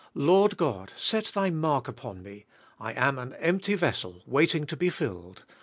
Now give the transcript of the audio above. Lord God, set Thy mark upon me; I am an empty vessel waiting to be filled.